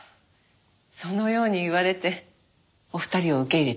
そのように言われてお二人を受け入れたの。